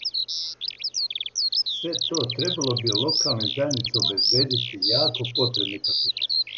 Све то требало би локалним заједницама обезбиједити јако потребни капитал.